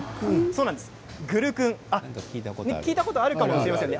グルクン聞いたことあるかもしれませんね。